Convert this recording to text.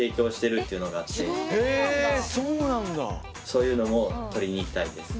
そういうのも撮りに行きたいです。